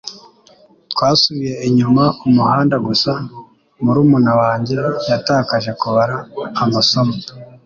Twasubije inyuma umuhanda gusa murumuna wanjye yatakaje kubara amasomo